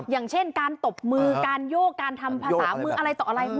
อย่างเช่นการตบมือการโยกการทำภาษามืออะไรต่ออะไร